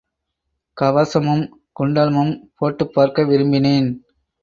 கவசமும் குண்டலமும் போட்டுப் பார்க்க விரும்பினேன்.